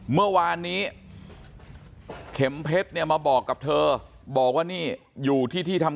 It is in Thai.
เมื่อวานนี้เข็มเพชรเนี่ยมาบอกกับเธอบอกว่านี่อยู่ที่ที่ทำ